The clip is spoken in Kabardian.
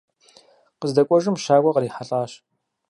Къыздэкӏуэжым щакӏуэ кърихьэлӏащ.